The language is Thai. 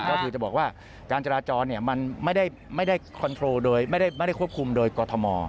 ก็คือจะบอกว่าการจราจรมันไม่ได้ควบคุมโดยกรทม